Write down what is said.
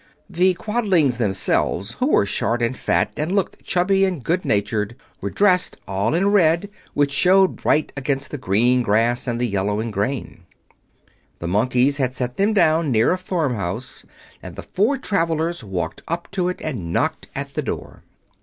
The Quadlings themselves, who were short and fat and looked chubby and good natured, were dressed all in red, which showed bright against the green grass and the yellowing grain. The Monkeys had set them down near a farmhouse, and the four travelers walked up to it and knocked at the door.